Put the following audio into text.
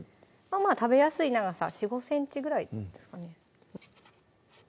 食べやすい長さ４５ｃｍぐらいですかね